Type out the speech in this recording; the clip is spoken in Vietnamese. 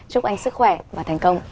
chúc anh sức khỏe và thành công